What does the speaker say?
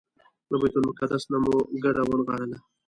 له بیت المقدس نه مو کډه ونغاړله.